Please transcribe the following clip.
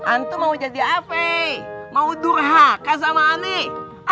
antum mau jadi ave mau durhaka sama aneh